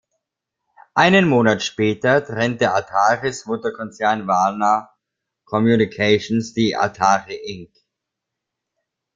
Einen Monat später trennte Ataris Mutterkonzern Warner Communications die Atari, Inc.